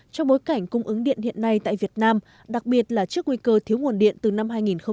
trong bối cảnh cung ứng điện hiện nay tại việt nam đặc biệt là trước nguy cơ thiếu nguồn điện từ năm hai nghìn hai mươi